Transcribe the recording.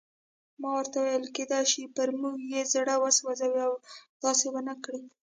ما ورته وویل: کېدای شي پر موږ یې زړه وسوځي او داسې ونه کړي.